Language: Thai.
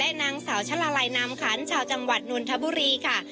และนางเสาฝราลัยนามขัญชาวจังหวัดนุร์ทบุรีค่ะ